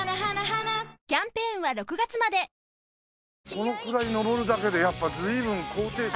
このくらい登るだけでやっぱ随分高低差が。